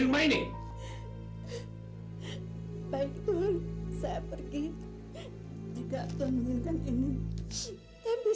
untuk kasus perempuan korban pembunuhan misterius